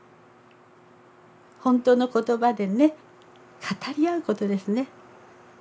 本当の言葉でね語り合うことですね。